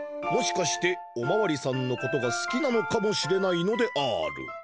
もしかしておまわりさんのことがすきなのかもしれないのである」。